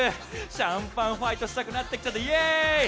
シャンパンファイトしたくなってきちゃったイエーイ！